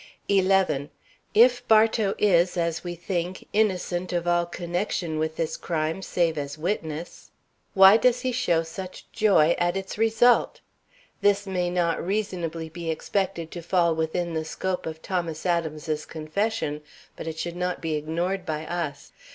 11. If Bartow is, as we think, innocent of all connection with this crime save as witness, why does he show such joy at its result? This may not reasonably be expected to fall within the scope of Thomas Adams's confession, but it should not be ignored by us.